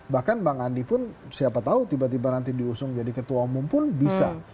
bahkan bang andi pun siapa tahu tiba tiba nanti diusung jadi ketua umum pun bisa